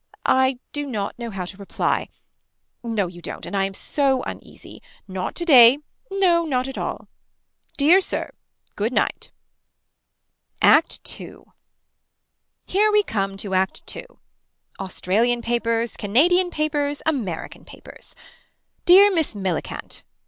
I do not know how to reply. No you don't and I am so uneasy. Not today. No not at all. Dear Sir. Good night. Act 2. Here we come to act two. Australian papers. Canadian papers. American papers. Dear Miss Millicant.